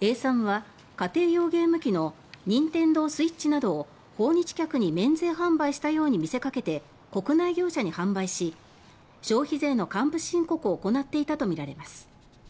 永山は家庭用ゲーム機のニンテンドースイッチなどを訪日客に免税販売したように見せかけて国内業者に販売し消費税の還付申告を行っていたとみられます。